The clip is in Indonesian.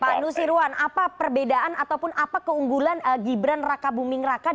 pak nusirwan apa perbedaan ataupun apa keunggulan gibran raka buming raka